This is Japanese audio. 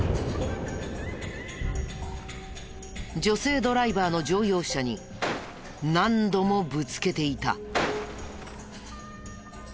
女性ドライバーの乗用車に何度もぶつけていた。